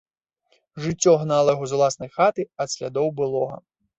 Жыццё гнала яго з уласнай хаты, ад слядоў былога.